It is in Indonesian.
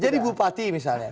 jadi bupati misalnya